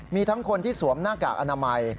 มีทั้งคนที่สวมหน้ากากอนามัย